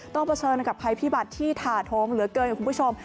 เผชิญกับภัยพิบัติที่ถ่าโทมเหลือเกินคุณผู้ชม